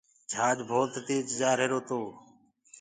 جھآج ڀوت تيج جآ رهيرو تو۔